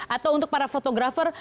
atau untuk para fotografer